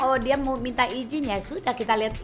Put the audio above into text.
oh dia mau minta izin ya sudah kita lihat